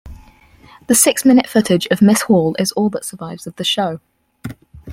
The six-minute footage of Miss Hall is all that survives of the show.